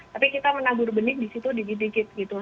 tapi kita menabur benih di situ dikit dikit gitu